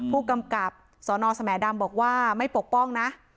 ผู้กำกับสนสแหมดำบอกว่าไม่ปกป้องนะ